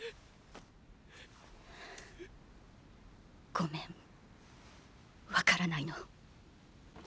ごめんわからないの。